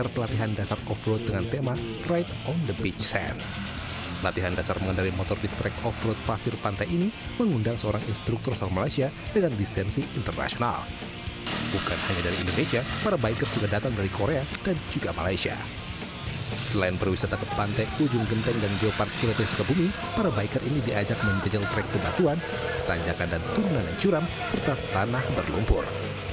pantai ujung genteng dan geopark kinerja ke bumi para biker ini diajak menjenjel trek ke batuan tanjakan dan turunan yang curam serta tanah berlumpur